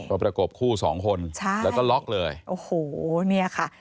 ก็ประกบคู่สองคนแล้วก็ล็อกเลยใช่โอ้โฮเนี่ยค่ะ